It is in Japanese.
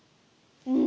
うん。